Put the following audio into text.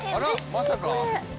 まさか。